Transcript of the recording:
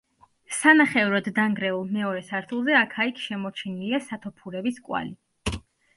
სანახევროდ დანგრეულ მეორე სართულზე აქა-იქ შემორჩენილია სათოფურების კვალი.